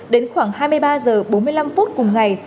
đến khoảng hai mươi ba h bốn mươi năm phút cùng ngày